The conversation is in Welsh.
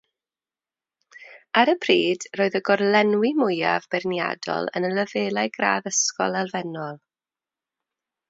Ar y pryd, roedd y gorlenwi mwyaf beirniadol yn y lefelau gradd ysgol elfennol.